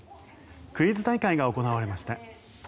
クイズ大会が行われました。